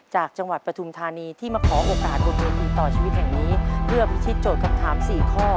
จากจังหวัดประธุมธานีที่มาขอโอกาสกดเวทีต่อชีวิตแห่งนี้